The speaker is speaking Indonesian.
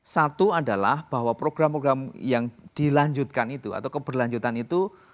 satu adalah bahwa program program yang dilanjutkan itu atau keberlanjutan itu